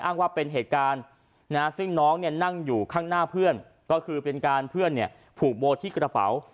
ว่าเป็นเหตุการณ์ซึ่งน้องเนี่ยนั่งอยู่ข้างหน้าเพื่อนก็คือเป็นการเพื่อนเนี่ยผูกโบที่กระเป๋า